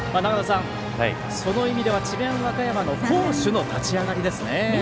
その意味では智弁和歌山の投手の立ち上がりですね。